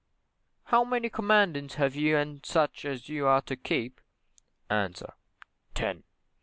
How many Commandments have you and such as you are to keep? A. Ten.